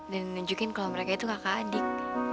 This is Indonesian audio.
dan nunjukin kalo mereka itu kakak adik